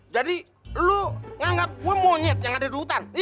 jadi lo nganggap gue monyet yang ada di hutan